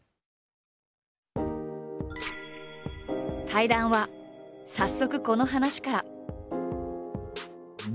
対談は早速この話から。